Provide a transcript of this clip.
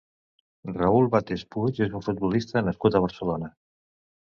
Raúl Vates Puig és un futbolista nascut a Barcelona.